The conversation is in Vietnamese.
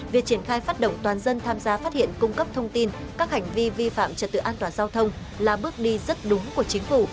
việc triển khai phát động toàn dân tham gia phát hiện cung cấp thông tin các hành vi vi phạm trật tự an toàn giao thông là bước đi rất đúng của chính phủ